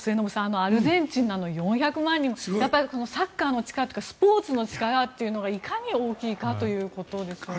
アルゼンチンの４００万人もサッカーの力というかスポーツの力というのがいかに大きいかということですよね。